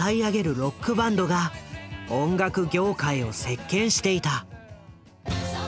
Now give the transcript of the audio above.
ロックバンドが音楽業界を席けんしていた。